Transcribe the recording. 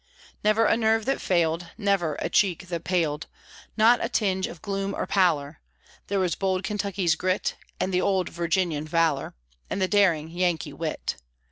Never a nerve that failed, Never a cheek that paled, Not a tinge of gloom or pallor; There was bold Kentucky's grit, And the old Virginian valor, And the daring Yankee wit.